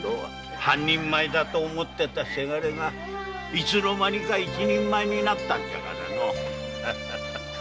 半人前だと思ってた伜がいつの間にか一人前になったんじゃからのう。